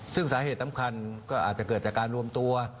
ซึ่งสาเหตุสำคัญก็อาจจะเกิดจากการรวมตัว